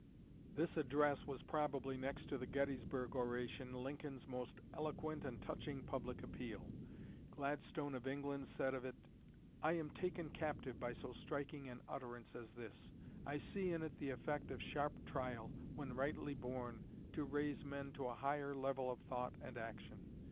This address was probably, next to the Gettysburg oration, Lincoln's most eloquent and touching public appeal. Gladstone of England said of it: "I am taken captive by so striking an utterance as this. I see in it the effect of sharp trial, when rightly borne, to raise men to a higher level of thought and action.